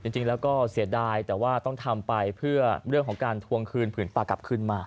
จริงแล้วก็เสียดายแต่ว่าต้องทำไปเพื่อเรื่องของการทวงคืนผืนป่ากลับขึ้นมา